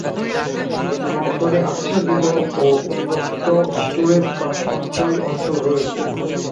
বন্দরে আচ্ছাদিত ও উন্মুক্ত স্টোরেজ বা সঞ্চয় অঞ্চল রয়েছে।